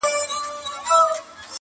د پردیو خلوتونو په تیارو کي به ښخیږي -